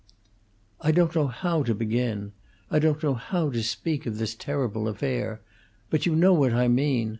"I don't know how to begin I don't know how to speak of this terrible affair. But you know what I mean.